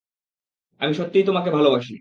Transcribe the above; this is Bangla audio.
আমি সত্যিই তোমাকে ভালোবাসি।